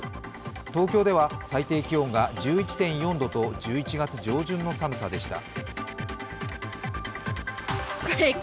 東京では最低気温が１１．４度と１１月上旬の寒さでした。